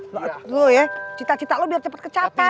lu ya cita cita lu biar cepet kecapai